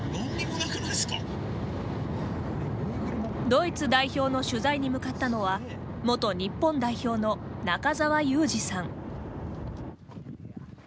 ドイツ代表の取材に向かったのは元日本代表の中澤佑二さん。